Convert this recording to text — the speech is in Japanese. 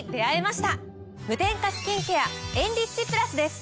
無添加スキンケアエンリッチプラスです。